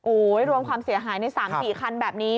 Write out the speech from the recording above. โอ้โหรวมความเสียหายใน๓๔คันแบบนี้